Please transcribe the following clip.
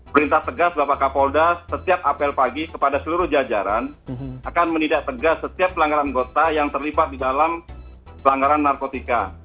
perintah tegas bapak kapolda setiap apel pagi kepada seluruh jajaran akan menindak tegas setiap pelanggaran gota yang terlibat di dalam pelanggaran narkotika